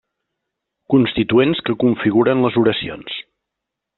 Constituents que configuren les oracions.